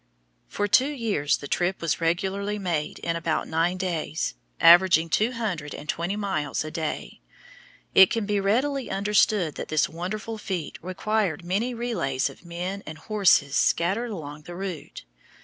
For two years the trip was regularly made in about nine days, averaging two hundred and twenty miles a day. It can be readily understood that this wonderful feat required many relays of men and horses scattered along the route.